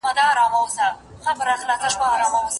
الله تعالی د لوڼو وژل حرام کړي دي.